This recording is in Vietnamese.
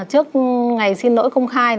trước ngày xin lỗi công khai